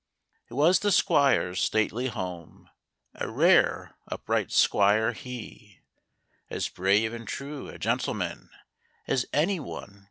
It was the Squire's stately home— A rare, upright Squire he, As brave and true a gentleman As any one could see.